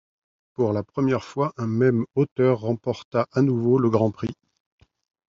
Pour la première fois, un même auteur remporta à nouveau le grand prix.